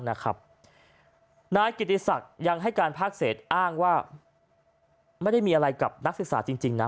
นายกิติศักดิ์ยังให้การภาคเศษอ้างว่าไม่ได้มีอะไรกับนักศึกษาจริงนะ